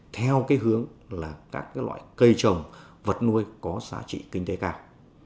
theo hướng các loại cây trồng vật nuôi có giá trị kinh tế cao